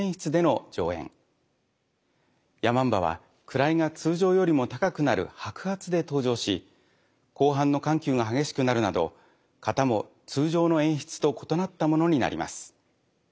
山姥は位が通常よりも高くなる白髪で登場し後半の緩急が激しくなるなど型も通常の演出と異なったものになります。